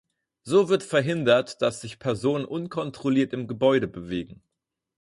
So wird verhindert, dass sich Personen unkontrolliert im Gebäude bewegen.